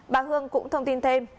bà hương cũng thông tin thêm